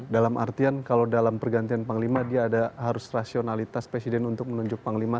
dalam artian kalau dalam pergantian panglima dia ada harus rasionalitas presiden untuk menunjuk panglima